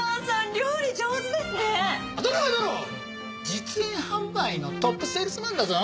実演販売のトップセールスマンだぞ。